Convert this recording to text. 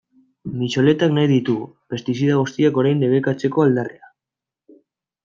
Mitxoletak nahi ditugu, pestizida guztiak orain debekatzeko aldarria.